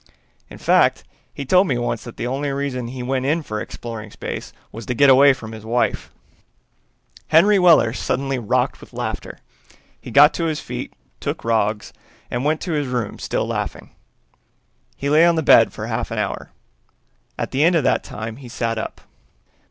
In fact, he told me once that the only reason he went in for exploring space was to get away from his wife." Henry Weller suddenly rocked with laughter. He got to his feet, took Roggs, and went to his room, still laughing. He lay on the bed for half an hour. At the end of that time he sat up.